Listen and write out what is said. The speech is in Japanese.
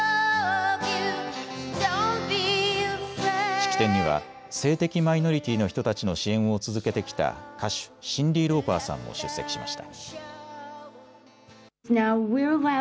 式典には性的マイノリティーの人たちの支援を続けてきた歌手、シンディ・ローパーさんも出席しました。